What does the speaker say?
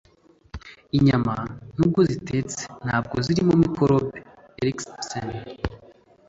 inyama, nubwo zitetse, ntabwo zirimo mikorobe. (erikspen